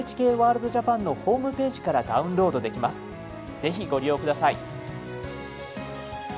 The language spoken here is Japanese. ぜひご利用下さい。